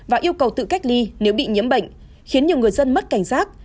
và yêu cầu tự cách ly nếu bị nhiễm bệnh khiến nhiều người dân mất cảnh giác